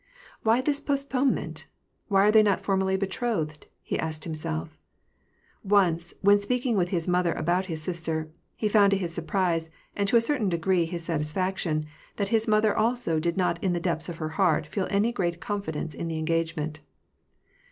"Why this postponement? Why are they not formally betrothed ?" he asked himself. Once, when speaking with his mother about his sister, he found to his surprise, and to a cer tain degree his satisfaction, that his mother also did not in the depths of her heart feel any great confidence in the engage ment.